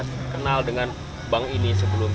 saya kenal dengan bank ini sebelumnya